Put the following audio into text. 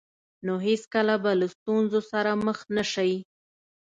نو هېڅکله به له ستونزو سره مخ نه شئ.